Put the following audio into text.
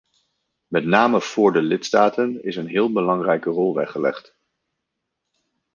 Met name voor de lidstaten is een heel belangrijke rol weggelegd.